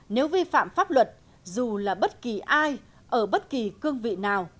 nếu vi phạm pháp luật dù là bất kỳ ai ở bất kỳ cương vị nào